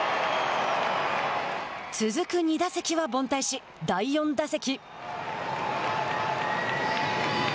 続く２打席は凡退し、第４打席。